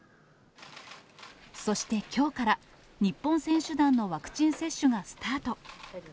そしてきょうから、日本選手団のワクチン接種がスタート。